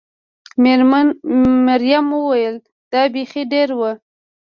مريم وویل: دا بېخي ډېر و.